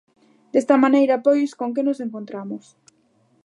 Desta maneira, pois, ¿con que nos encontramos?